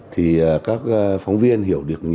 thì các phóng viên hiểu được nhiều hơn